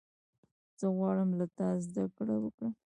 زه غواړم له تا زدهکړه وکړم.